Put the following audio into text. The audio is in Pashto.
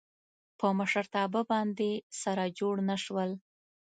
په مشرتابه باندې سره جوړ نه شول.